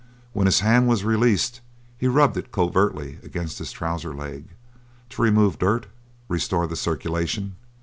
When his hand was released he rubbed it covertly against his trowser leg to remove dirt restore the circulation.